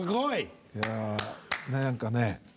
いやねえ何かね。